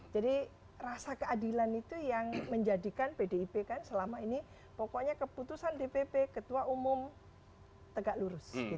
jadi rasa keadilan itu yang menjadikan pdip selama ini pokoknya keputusan dpp ketua umum tegak lurus